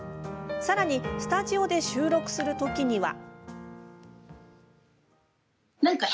さらに、スタジオで収録する時には。